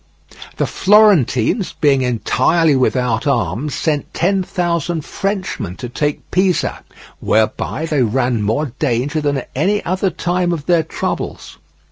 The Florentines, being entirely without arms, sent ten thousand Frenchmen to take Pisa, whereby they ran more danger than at any other time of their troubles.